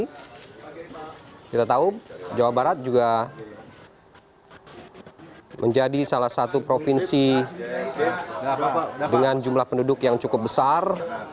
kita tahu jawa barat juga menjadi salah satu provinsi dengan jumlah penduduk yang cukup besar